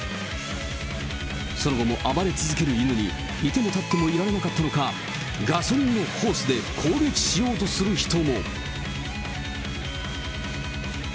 その後も暴れ続ける犬にいてもたってもいられなかったのか、ガソリンのホースで攻撃しようとする人も。